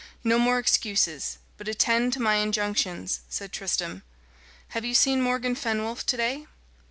"No more excuses, but attend to my injunctions," said Tristram. "Have you seen Morgan Fenwolf to day?"